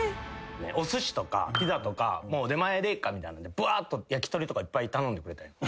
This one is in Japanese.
おすしとかピザとか出前でええかみたいなんでぶわーっと焼き鳥とかいっぱい頼んでくれた。